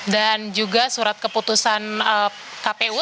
dan juga surat keputusan kpu